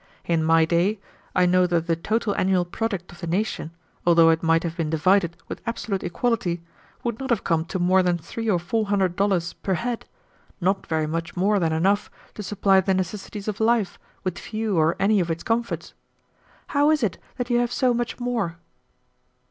In my day, I know that the total annual product of the nation, although it might have been divided with absolute equality, would not have come to more than three or four hundred dollars per head, not very much more than enough to supply the necessities of life with few or any of its comforts. How is it that you have so much more?"